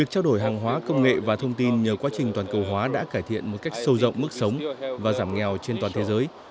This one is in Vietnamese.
thông tin nhờ quá trình toàn cầu hóa đã cải thiện một cách sâu rộng mức sống và giảm nghèo trên toàn thế giới